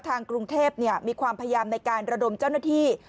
ทางกรุงเทพมีความพยายามในการระดมเจ้าหน้าที่